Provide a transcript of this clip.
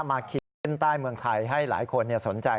ขีดเส้นใต้เมืองไทยให้หลายคนสนใจ